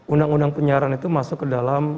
undang undang penyiaran itu masuk ke dalam